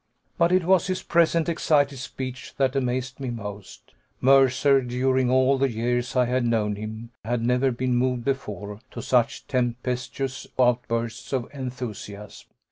But it was his present excited speech that amazed me most. Mercer, during all the years I had known him, had never been moved before to such tempestuous outbursts of enthusiasm.